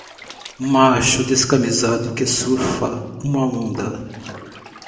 Macho descamisado que surfa uma onda.